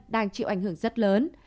đang chịu ảnh hưởng rất lớn